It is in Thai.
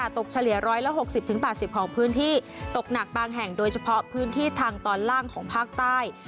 เฉลี่ย๑๖๐๘๐ของพื้นที่ตกหนักบางแห่งโดยเฉพาะพื้นที่ทางตอนล่างของภาคใต้